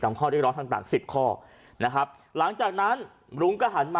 ข้อเรียกร้องต่างต่างสิบข้อนะครับหลังจากนั้นรุ้งก็หันมา